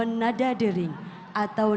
tadi yakin ku teguh